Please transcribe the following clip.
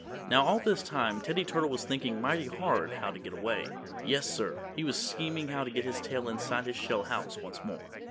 Now all this time Teddy Turtle was thinking mighty hard how to get away. Yes, sir, he was scheming how to get his tail inside his shell house once more.